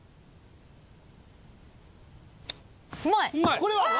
これは？あ！